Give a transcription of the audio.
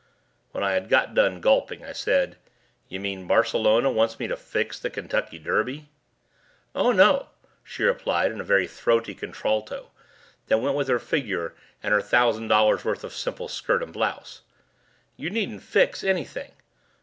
When I got done gulping I said, "You mean Barcelona wants me to fix the Kentucky Derby?" "Oh no," she replied in a very throaty contralto that went with her figure and her thousand dollars worth of simple skirt and blouse. "You needn't 'Fix' anything.